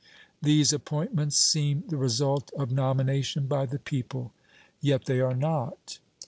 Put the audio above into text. These appointments seem the result of nomination by the people. Yet they are not!"